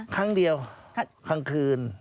ครั้งเดียวครั้งคืน